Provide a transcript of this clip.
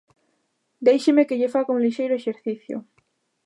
Déixeme que lle faga un lixeiro exercicio.